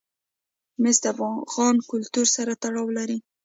مس د افغان کلتور سره تړاو لري.